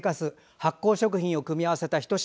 発酵食品を組み合わせたひと品。